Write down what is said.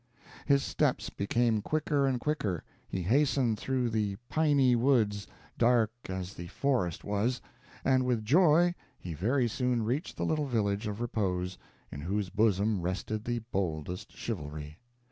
His steps became quicker and quicker he hastened through the piny woods, dark as the forest was, and with joy he very soon reached the little village of repose, in whose bosom rested the boldest chivalry.